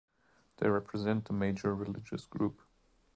They represent the major religious group.